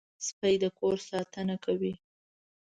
سپي د کور ساتنه کوي.